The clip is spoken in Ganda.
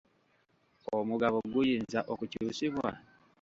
Omugabo guyinza okukyusibwa?